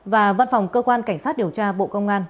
và văn phòng cơ quan cảnh sát điều tra bộ công an